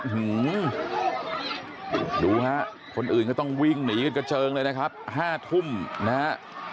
หือดูฮะคนอื่นก็ต้องวิ่งหนีกันกระเจิงเลยนะครับ๕ทุ่มนะฮะ